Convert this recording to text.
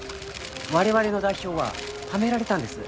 我々の代表ははめられたんです。